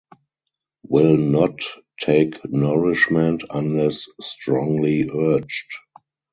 Will not take nourishment unless strongly urged.